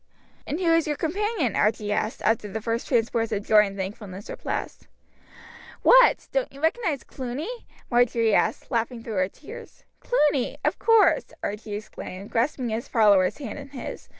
"And who is your companion?" Archie asked, after the first transports of joy and thankfulness were past. "What! don't you recognize Cluny?" Marjory asked, laughing through her tears. "Cluny! of course," Archie exclaimed, grasping his follower's hand in his.